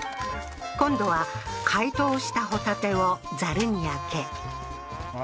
今度は解凍した帆立をザルにあけあ